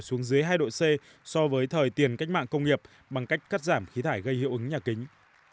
xuống dưới hai độ c so với thời tiền cách mạng công nghiệp bằng cách cắt giảm khí thải gây hiệu ứng nhà kính